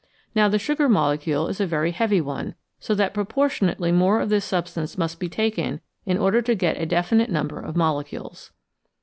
Now the sugar molecule is a very heavy one, so that proportionately more of this substance must be taken in order to get a definite number of molecules.